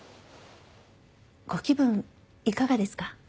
ご気分いかがですか？